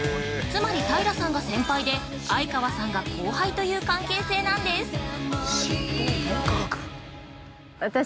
つまり平さんが先輩で相川さんが後輩という関係性なんです。